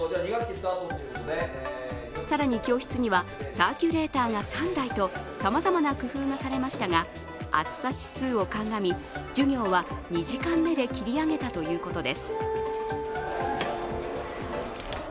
更に、教室にはサーキュレーターが３台とさまざまな工夫がされましたが、暑さ指数をかんがみ、授業は２時間目で切り上げたということです。